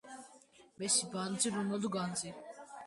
messi bandzi ronaldo gandzi